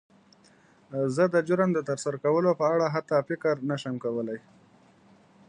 زه د جرم د تر سره کولو په اړه حتی فکر نه شم کولی.